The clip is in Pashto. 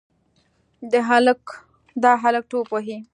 دا هلک توپ وهي.